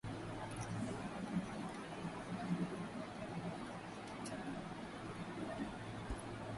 Ikabidi aende hoteli ya amahoro akapata chumba na kujipumzisha kwa usiku ule